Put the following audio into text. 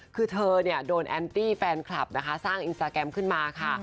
คือเธอเนี่ยโดนแอนตี้แฟนคลับนะคะสร้างอินสตาแกรมขึ้นมาค่ะ